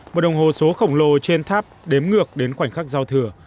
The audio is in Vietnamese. một đồng hồ số khổng lồ trên tháp đếm ngược đến khoảnh khắc giao thừa